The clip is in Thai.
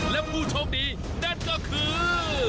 และผู้โชคดีนั่นก็คือ